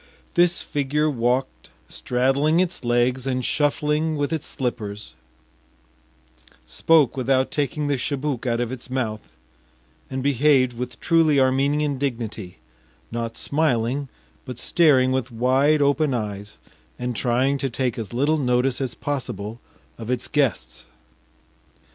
This figure walked straddling its legs and shuffling with its slippers, spoke without taking the chibouk out of its mouth, and behaved with truly Armenian dignity, not smiling, but staring with wide open eyes and trying to take as little notice as possible of its guests.